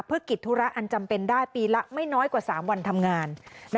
เพื่อกิจธุระอันจำเป็นได้ปีละไม่น้อยกว่า๓วันทำงาน